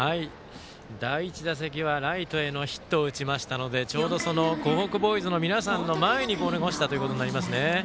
第１打席は、ライトへのヒットを打ちましたのでちょうど湖北ボーイズの皆さんの前にボールが落ちたということになりますね。